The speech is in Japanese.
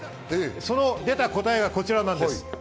それで出た答えがこちらなんです。